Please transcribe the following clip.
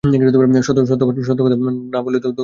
সত্য কথা না বললে তোকে খুন করে ফেল্ব।